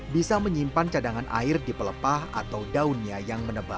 bisa menyimpan cadangan air di pelepah atau daunnya yang menebak